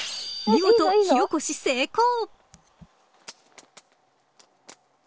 見事、火起こし成功。